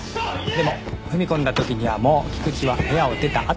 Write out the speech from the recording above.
でも踏み込んだ時にはもう菊池は部屋を出たあとだった。